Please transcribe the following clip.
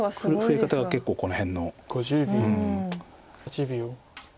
増え方が結構この辺の。